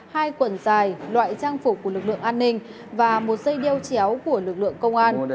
hai quần dài loại trang phục của lực lượng an ninh và một dây đeo chéo của lực lượng công an